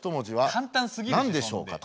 簡単すぎるでしょう。